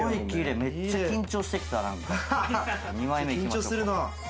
緊張するなあ。